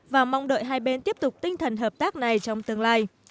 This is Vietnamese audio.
và mong đợi hai bên tiếp tục tinh thần hợp tác này trong tương lai